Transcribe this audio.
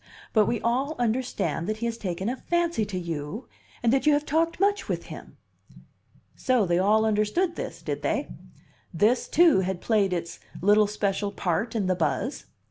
But we all understand that he has taken a fancy to you, and that you have talked much with him." So they all understood this, did they? This, too, had played its little special part in the buzz?